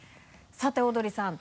さてオードリーさん。